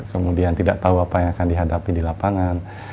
kemudian tidak tahu apa yang akan dihadapi di lapangan